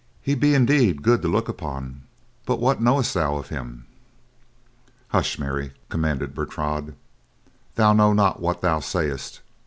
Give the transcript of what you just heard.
He be indeed good to look upon, but what knowest thou of him?" "Hush, Mary!" commanded Bertrade. "Thou know not what thou sayest.